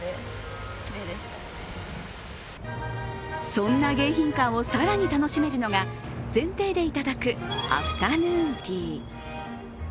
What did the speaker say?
そんな迎賓館を更に楽しめるのが前庭でいただくアフタヌーンティー。